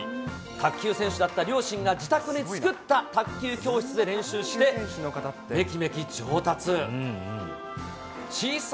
卓球選手だった両親が自宅に作った卓球教室で練習して、めきめき上達。